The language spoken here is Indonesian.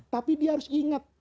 tapi dia harus ingat